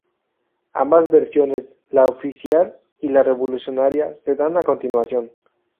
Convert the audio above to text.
Ambas versiones, la oficial y la revolucionaria se dan a continuación.